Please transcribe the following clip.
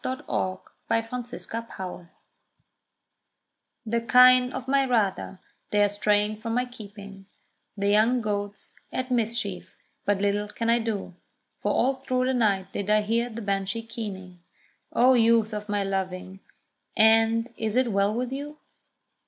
THE KINE OF MY FATHER The kine of my rather, they are straying from my keeping; The young goat's at mischief, but little can I do: For all through the night did I hear the Banshee keening; O youth of my loving, and is it well with you?